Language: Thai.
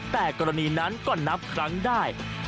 แต่กรณีนั้นก็นับครั้งได้